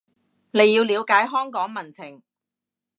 你要了解香港民情